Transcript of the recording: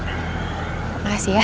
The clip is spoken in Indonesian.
terima kasih ya